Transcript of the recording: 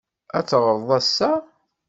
Ad teɣṛeḍ ass-a?